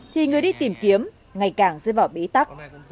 thì người đi tìm kiếm ngày càng dư vỏ bỉ tắc